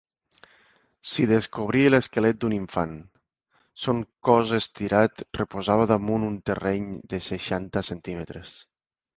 S'hi descobrí l'esquelet d'un infant: son cos estirat reposava damunt un terreny de seixanta centímetres.